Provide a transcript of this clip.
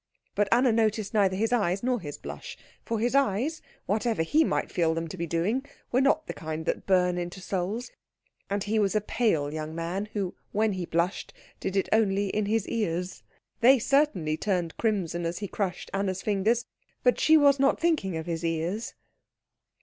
But Anna noticed neither his eyes nor his blush; for his eyes, whatever he might feel them to be doing, were not the kind that burn into souls, and he was a pale young man who, when he blushed, did it only in his ears. They certainly turned crimson as he crushed Anna's fingers, but she was not thinking of his ears.